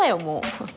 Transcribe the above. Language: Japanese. もう。